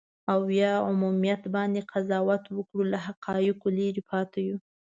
او یا عمومیت باندې قضاوت وکړو، له حقایقو لرې پاتې یو.